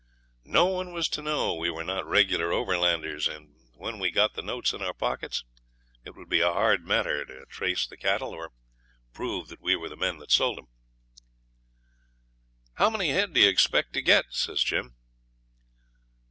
No one was to know we were not regular overlanders; and when we'd got the notes in our pockets it would be a hard matter to trace the cattle or prove that we were the men that sold 'em. 'How many head do you expect to get?' says Jim.